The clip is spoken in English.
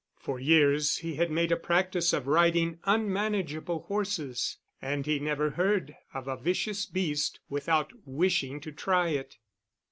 For years he had made a practice of riding unmanageable horses, and he never heard of a vicious beast without wishing to try it.